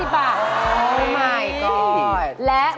๓๐บาท